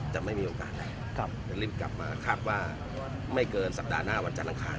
จะไม่มีโอกาสแล้วจะรีบกลับมาคาดว่าไม่เกินสัปดาห์หน้าวันจันทร์อังคาร